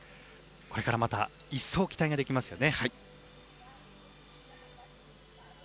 これからまた一層期待ができますよね。